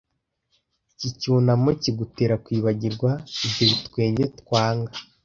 iki cyunamo kigutera kwibagirwa ibyo bitwenge twanga